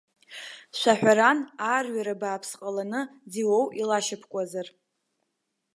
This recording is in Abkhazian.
Шәаҳәаран, аарҩара бааԥс ҟаланы, ӡиуоу илашьапкуазар.